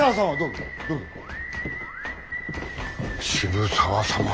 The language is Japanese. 渋沢様。